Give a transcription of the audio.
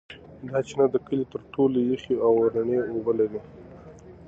دا چینه د کلي تر ټولو یخې او رڼې اوبه لري.